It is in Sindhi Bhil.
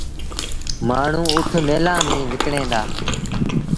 مآڻهوٚݩ اُٺ ميلآن ميݩ وڪڻين دآ۔